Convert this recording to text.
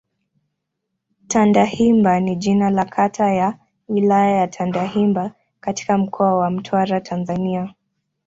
Tandahimba ni jina la kata ya Wilaya ya Tandahimba katika Mkoa wa Mtwara, Tanzania.